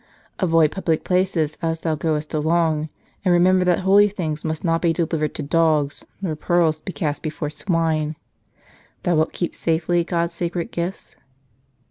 Avoid public places as thou goest along; and remember that holy things must not be delivered to dogs, nor pearls be cast before swine. Thou wilt keep safely God's sacred gifts?